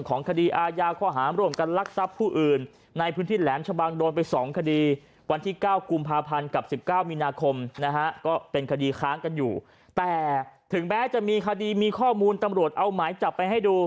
ก็เป็นคดีค้างกันอยู่แต่ถึงแม้จะมีคดีมีข้อมูลตำรวจเอาหมายจับไปให้ดู